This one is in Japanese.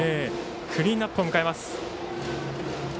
クリーンナップを迎えます。